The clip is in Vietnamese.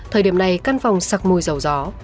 thời điểm này căn phòng sặc mùi dầu gió